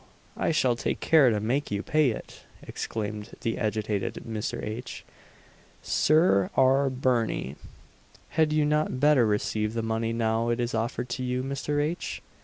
I shall take care to make you pay it!" exclaimed the agitated Mr. H. SIR R. BIRNIE. Had you not better receive the money now it is offered to you, Mr. H.?